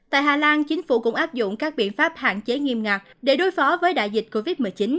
tại hà lan chính phủ cũng áp dụng các biện pháp hạn chế nghiêm ngặt để đối phó với đại dịch covid một mươi chín